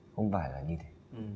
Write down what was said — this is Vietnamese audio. không phải là như thế